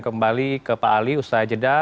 kembali ke pak ali usai jeda